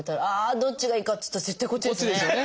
どっちがいいかっつったら絶対こっちですよね。